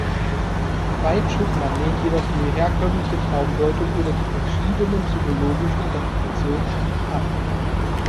Veit Schiffmann lehnt jedoch die herkömmliche Traumdeutung oder die verschiedenen psychologischen Interpretationen strikt ab.